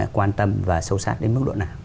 quan tâm và sâu sát đến mức độ nào